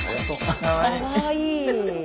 かわいい。